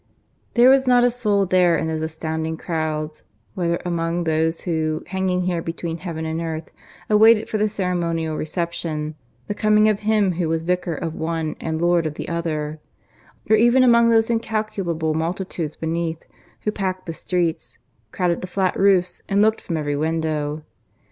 There was not a soul there in those astounding crowds, whether among those who, hanging here between heaven and earth, awaited for the ceremonial reception, the coming of him who was Vicar of one and Lord of the other, or even among those incalculable multitudes beneath, who packed the streets, crowded the flat roofs and looked from every window.